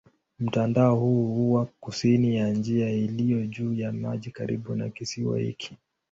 Mtandao huu huwa kusini ya njia iliyo juu ya maji karibu na kisiwa hiki.